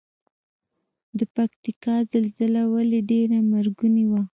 د پکتیکا زلزله ولې ډیره مرګونې وه؟